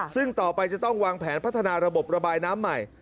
ซึ่งต่อไปจะต้องวางแผนพัฒนาระบบระบายน้ำใหม่